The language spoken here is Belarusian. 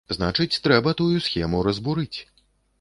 Значыць, трэба тую схему разбурыць.